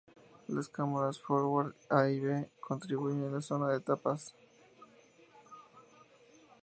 Las cámaras "forward" A y B contribuyen en la zona de las tapas.